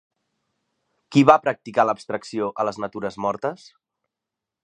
Qui va practicar l'abstracció a les natures mortes?